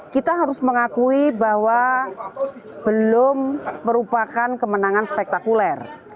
kita harus mengakui bahwa belum merupakan kemenangan spektakuler